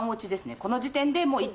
この時点でもう１。